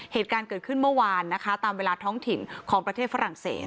เหตุการณ์เกิดขึ้นเมื่อวานนะคะตามเวลาท้องถิ่นของประเทศฝรั่งเศส